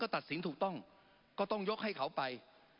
ตัดสินถูกต้องก็ต้องยกให้เขาไป